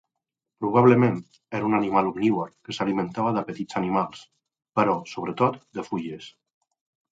Probablement era un animal omnívor que s'alimentava de petits animals, però sobretot de fulles.